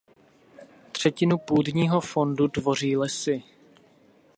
Třetinu půdního fondu tvoří lesy.